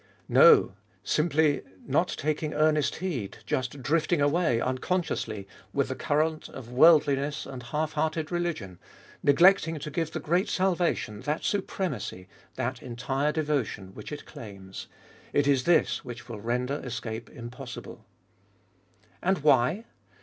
No, simply " not taking earnest heed," just " drifting iboltest of ail 69 away " unconsciously with the current of worldliness and half hearted religion, " neglecting " to give the great salvation that supremacy, that entire devotion which it claims, — it is this which will render escape impossible. And why